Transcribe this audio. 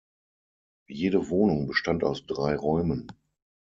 Jede Wohnung bestand aus drei Räumen.